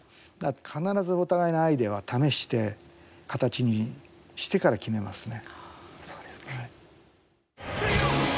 必ずお互いのアイデアは試して形にしてから決めますね。